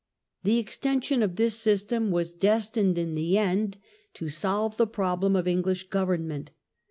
The extension of this system was destined in the end to solve the problem of English government.